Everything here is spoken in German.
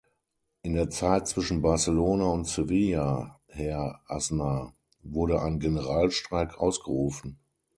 In der Zeit zwischen Barcelona und Sevilla, Herr Aznar, wurde ein Generalstreik ausgerufen.